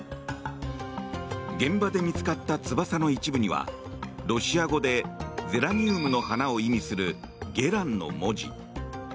現場で見つかった翼の一部にはロシア語でゼラニウムの花を意味する「ゲラン」の文字。